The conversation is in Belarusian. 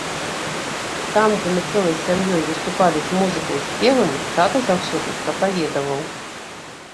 Там, дзе мы цэлай сям'ёй выступалі з музыкай і спевамі, тата заўсёды прапаведаваў.